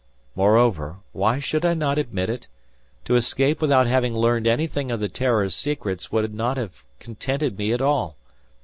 Moreover—why should I not admit it?—to escape without having learned anything of the "Terror's" secrets would not have contented me at all.